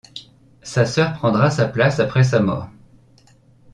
Sa sœur prendra sa place après sa mort.